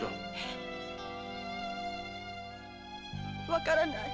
分からない